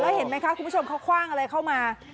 เห็นไหมคะคุณผู้ชมเขาคว่างอะไรเข้ามา